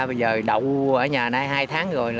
bây giờ đậu ở nhà này hai tháng rồi